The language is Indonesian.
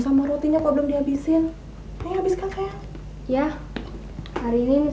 dama yanti dengan mas kawin